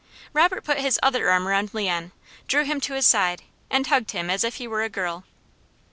Robert put his other arm around Leon, drew him to his side and hugged him as if he were a girl.